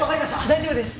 大丈夫です！